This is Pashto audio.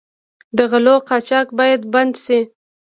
د غلو قاچاق باید بند شي.